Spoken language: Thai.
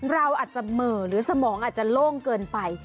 เราอาจจะเหม่อหรือสมองอาจจะโล่งเกินไป